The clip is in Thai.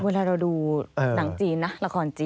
เวลาเราดูหนังจีนนะละครจีน